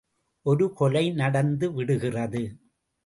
ஒரு கொலை நடந்து விடுகிறது!